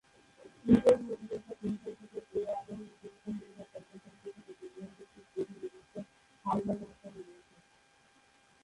ইন্টেল-নির্ভর প্রসেসরের সাথে সাথে, এআরএম প্রসেসর নির্ভর ট্যাবলেট যন্ত্রের জন্যে ডেবিয়ান-ভিত্তিক বোধি লিনাক্সের একটি আলফা সংস্করণ রয়েছে।